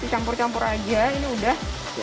dicampur campur aja ini udah